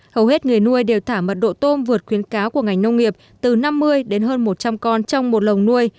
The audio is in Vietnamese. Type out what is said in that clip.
hầu hết người nuôi đều thả mật độ tôm vượt khuyến cáo của ngành nông nghiệp từ năm mươi đến hơn một trăm linh con trong một lồng nuôi